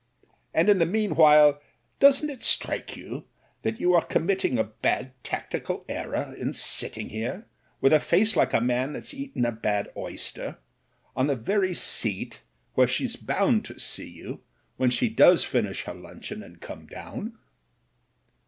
"And, in the meanwhile, doesn't it strike you that you are committing a bad tactical error in sitting here, with a face like a man that's eaten a bad oyster, on the very seat where she's bound to see RETRIBUTION 157 you when she does finish her luncheon and come down?